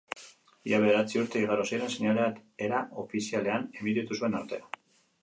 Ia bederatzi urte igaro ziren seinalea era ofizialean emititu zuten arte.